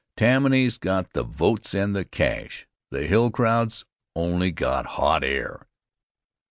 Tammany's got the votes and the cash. The Hill crowd's only got hot air.